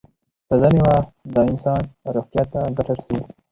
تازه میوه د انسان روغتیا ته ګټه رسوي.